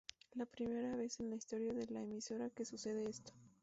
La primera vez en la historia de la emisora que sucede esto.